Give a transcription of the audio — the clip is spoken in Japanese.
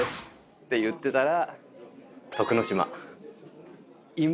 って言ってたら。